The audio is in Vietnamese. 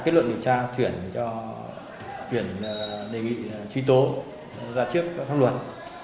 kết luận điều tra chuyển đề nghị truy tố ra trước các luật